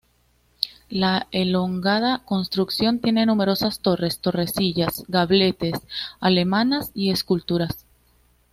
La elongada construcción tiene numerosas torres, torrecillas, gabletes, almenas y esculturas.